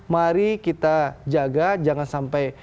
mari kita jaga jangan sampai